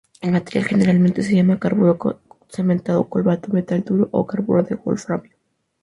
El material generalmente se llama carburo cementado, cobalto metal duro o carburo de wolframio.